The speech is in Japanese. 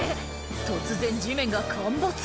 突然地面が陥没！